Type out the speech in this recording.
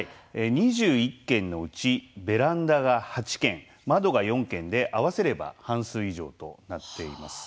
２１件のうちベランダが８件、窓が４件で合わせれば半数以上となっています。